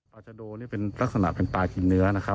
ปลาชะโดนี่เป็นลักษณะเป็นปลากินเนื้อ